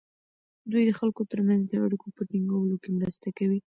دوی د خلکو ترمنځ د اړیکو په ټینګولو کې مرسته کوي.